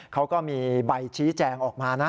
เขาก็มีใบชี้แจงออกมานะ